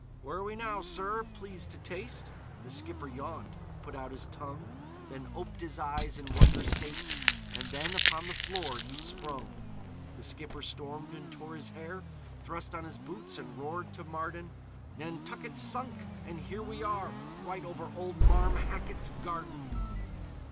"Where are we now, sir? Please to taste." The skipper yawned, put out his tongue, Then ope'd his eyes in wondrous haste, And then upon the floor he sprung! The skipper stormed and tore his hair, Thrust on his boots, and roared to Marden, "Nantucket's sunk, and here we are _Right over old Marm Hackett's garden!"